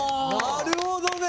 なるほどね！